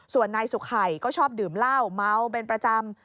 ส่วนนายสุขัยก็ชอบดื่มเหล้าเมาเป็นประจำ